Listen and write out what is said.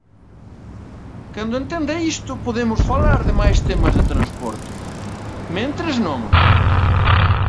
Cando entenda isto podemos falar de máis temas de transporte, mentres non.